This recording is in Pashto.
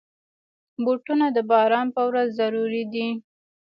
بوټونه د باران پر ورځ ضروري دي.